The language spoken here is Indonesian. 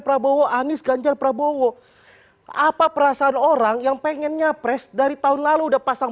prabowo anies ganjar prabowo apa perasaan orang yang pengen nyapres dari tahun lalu udah pasang